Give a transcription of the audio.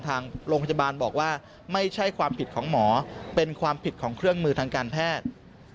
ทางโรงพยาบาลบอกว่าไม่ใช่ความผิดของหมอเป็นความผิดของเครื่องมือทางการแพทย์